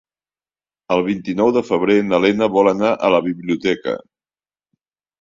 El vint-i-nou de febrer na Lena vol anar a la biblioteca.